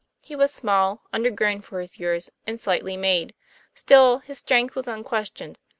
He was small, undergrown for his years, and slightly made; still his strength was un questioned.